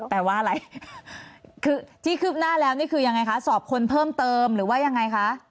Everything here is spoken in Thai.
แปลว่าอะไรคือที่คืบหน้าแล้วนี่คือยังไงคะสอบคนเพิ่มเติมหรือว่ายังไงคะ